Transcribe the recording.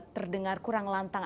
terdengar kurang lantang